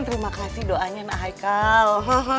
terima kasih doanya nak haikal